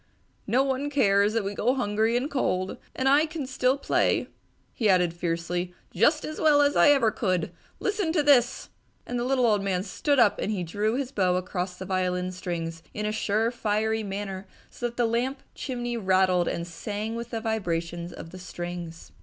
"No one cares that we go hungry and cold! And I can still play," he added fiercely, "just as well as ever I could! Listen to this!" and the little old man stood up and drew his bow across the violin strings in a sure, fiery manner, so that the lamp chimney rattled and sang with the vibrations of the strings.